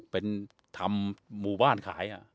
เป็นทำหมู่บ้านขาย